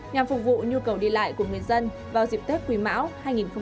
nhằm phục vụ nhu cầu đi lại của người dân vào dịp tết quý mão hai nghìn hai mươi